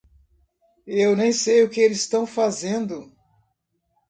Eu nem sei o que eles tão fazendo.